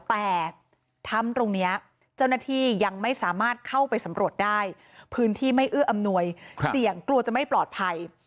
แต่ถ้ำตรงนี้เจ้าหน้าที่ยังไม่สามารถเข้าไปสำรวจได้พื้นที่ไม่เอื้ออำนวยเสี่ยงกลัวจะไม่ปลอดภัย